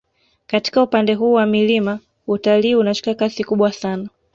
Katika upande huu wa milima utalii unashika kasi kubwa sana